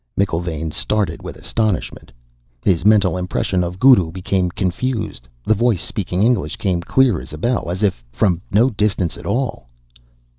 McIlvaine started with astonishment. His mental impression of Guru became confused; the voice speaking English came clear as a bell, as if from no distance at all.